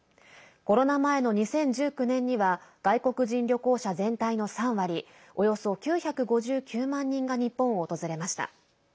コロナ前の２０１９年には外国人旅行者全体の３割およそ９５９万人が日本を訪れました。